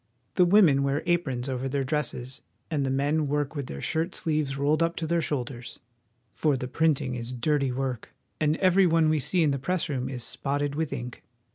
The women wear aprons over their dresses, and the men work with their shirt sleeves rolled up to their shoulders ; for the printing is dirty work, and every one we see in the press room is spotted with ink.